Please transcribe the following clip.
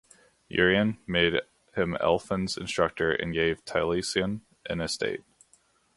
Urien made him Elffin's instructor, and gave Taliesin an estate.